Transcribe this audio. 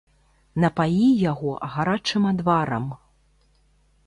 Напаі яго гарачым адварам.